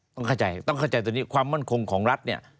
ต้องเข้าใจตัวนี้ความมั่นของของรัฐนี่